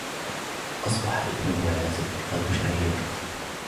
أصبح ابنه عازف بيانو شهير.